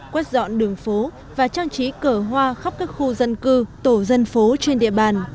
quét dọn đường phố và trang trí cỡ hoa khắp các khu dân cư tổ dân phố trên địa bàn